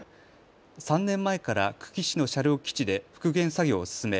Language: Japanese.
３年前から久喜市の車両基地で復元作業を進め